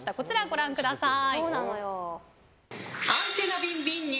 ご覧ください。